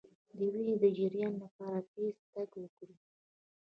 د وینې د جریان لپاره تېز تګ وکړئ